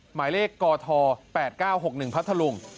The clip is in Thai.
หมายเลขกท๘๙๖๑พัทธลุง